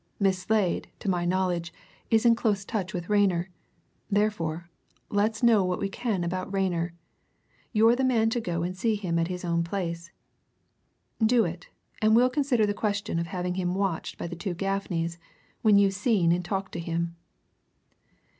Miss Slade, to my knowledge, is in close touch, with Rayner. Therefore, let's know what we can about Rayner. You're the man to go and see him at his own place. Do it and we'll consider the question of having him watched by the two Gaffneys when you've seen and talked to him."